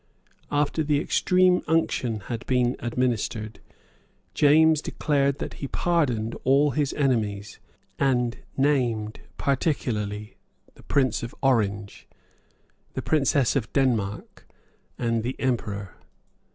After the extreme unction had been administered, James declared that he pardoned all his enemies, and named particularly the Prince of Orange, the Princess of Denmark, and the Emperor.